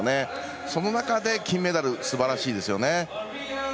その中で金メダルすばらしいですよね。